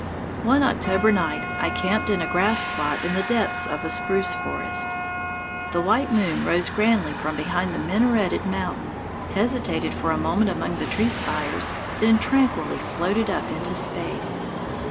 One October night I camped in a grass plot in the depths of a spruce forest. The white moon rose grandly from behind the minareted mountain, hesitated for a moment among the tree spires, then tranquilly floated up into space.